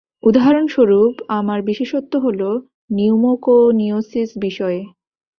উদাহরণস্বরূপ, আমার বিশেষত্ব হল নিউমোকনিয়োসিস বিষয়ে।